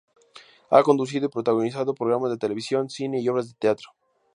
Ha conducido y protagonizado programas de televisión, cine y obras de teatro.